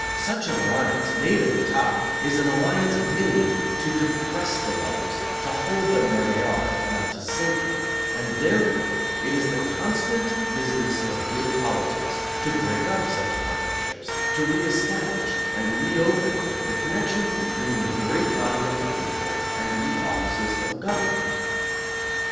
Such an alliance, made at the top, is an alliance made to depress the levels, to hold them where they are, if not to sink them; and, therefore, it is the constant business of good politics to break up such partnerships, to re establish and reopen the connections between the great body of the people and the offices of government.